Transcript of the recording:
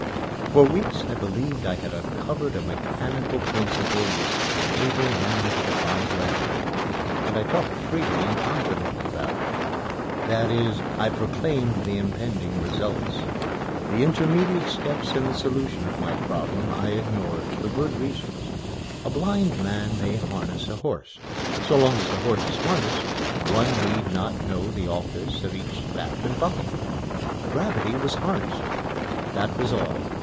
For weeks I believed I had uncovered a mechanical principle which would enable man to defy gravity. And I talked freely and confidently about it. That is, I proclaimed the impending results. The intermediate steps in the solution of my problem I ignored, for good reasons. A blind man may harness a horse. So long as the horse is harnessed, one need not know the office of each strap and buckle. Gravity was harnessed that was all.